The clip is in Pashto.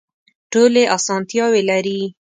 ټولې اسانتیاوې لري.